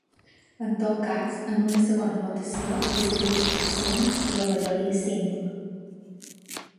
En tot cas, en una segona votació li seria suficient la majoris simple.